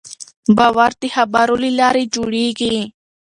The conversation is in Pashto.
باور د خبرو له لارې جوړېږي.